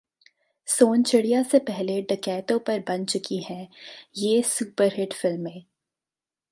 सोनचिड़िया से पहले डकैतों पर बन चुकी हैं ये सुपरहिट फिल्में